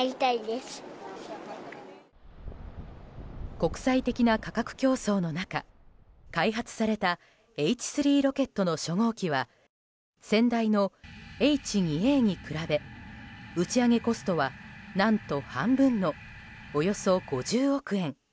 国際的な価格競争の中開発されたＨ３ロケットの初号機は先代のＨ２Ａに比べ打ち上げコストは何と半分のおよそ５０億円。